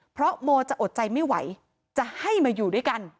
เพราะโมจะอดใจไม่ไหวจะให้มาอยู่ด้วยกัน